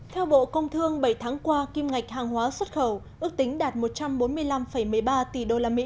theo bộ công thương bảy tháng qua kim ngạch hàng hóa xuất khẩu ước tính đạt một trăm bốn mươi năm một mươi ba tỷ usd